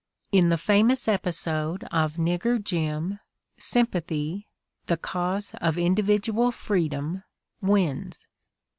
In the famous episode of Nigger Jim, "sympathy," the cause of indi vidual freedom, wins.